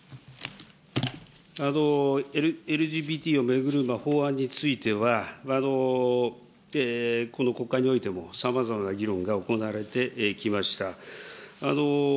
ＬＧＢＴを巡る法案については、この国会においてもさまざまな議論が行われてきました。